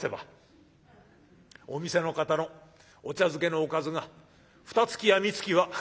お店の方のお茶漬けのおかずがふたつきやみつきは」。